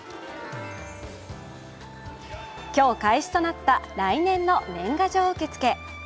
今日開始となった来年の年賀状受付。